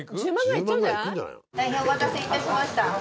大変お待たせいたしました。